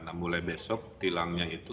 nah mulai besok tilangnya itu